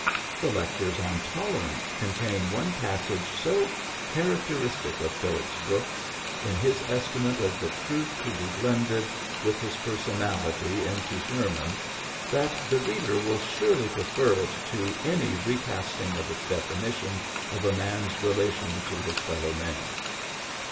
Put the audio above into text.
The lectures on Tolerance contain one pas sage so characteristic of Phillips Brooks in his estimate of the truth to be blended with his personality into ser mons that the reader will surely pre fer it to any recasting of its definition of a man's relation to his fellow men.